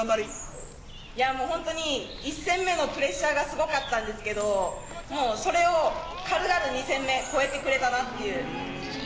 いや、もう本当に１戦目のプレッシャーがすごかったんですけど、もう、それを軽々、２戦目越えてくれたなっていう。